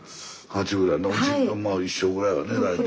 まあ一緒ぐらいやね大体。